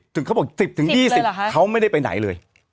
เขาบอก๑๐๒๐เขาไม่ได้ไปไหนเลย